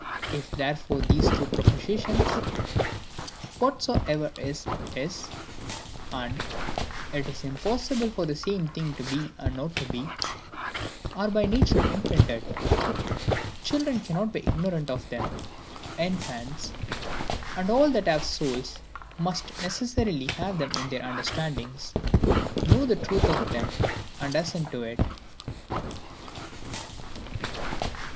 If therefore these two propositions, "Whatsoever is, is," and "It is impossible for the same thing to be and not to be," are by nature imprinted, children cannot be ignorant of them: infants, and all that have souls, must necessarily have them in their understandings, know the truth of them, and assent to it.